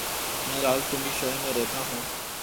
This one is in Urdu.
میں راولپنڈی شہر میں رہتا ہوں۔